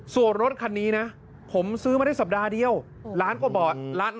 ส่วนรถคันนี้นะผมซื้อมาได้สัปดาห์เดียวล้านกว่าบาท